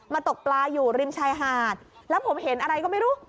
ตกปลาอยู่ริมชายหาดแล้วผมเห็นอะไรก็ไม่รู้